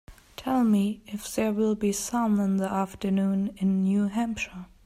Tell me if there will be sun in the afternoon in New Hampshire